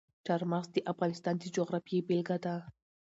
چار مغز د افغانستان د جغرافیې بېلګه ده.